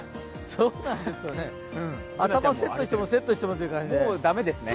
そうなんですよね頭セットしてもセットしてもって感じですね。